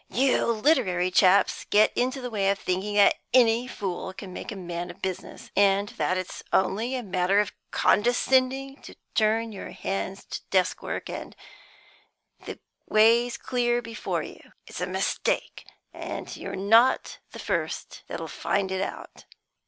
You literary chaps get into the way of thinking that any fool can make a man of business, and that it's only a matter of condescending to turn your hands to desk work and the ways clear before you. It's a mistake, and you're not the first that'll find it out."